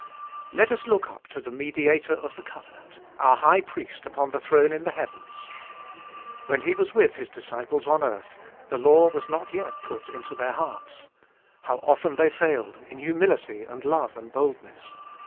Let us look up to the Mediator of the covenant, our High Priest upon the throne in the heavens. When He was with His disciples on earth, the law was not yet put into their hearts. How often they failed in humility and love and boldness.